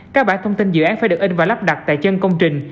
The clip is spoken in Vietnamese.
các bản thông tin dự án phải được in và lắp đặt tại chân công trình